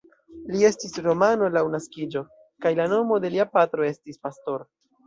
Li estis romano laŭ naskiĝo, kaj la nomo de lia patro estis Pastor.